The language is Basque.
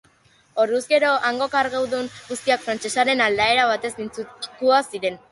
Orduz gero, hango kargudun guztiak frantsesaren aldaera batez mintzatuko ziren.